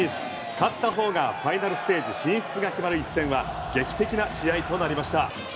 勝ったほうがファイナルステージ進出が決まる一戦は劇的な試合となりました。